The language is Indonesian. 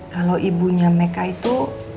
kalau ibunya meka itu